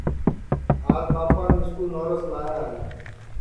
آج ٻاپان مِسکُو نورس لایا ہے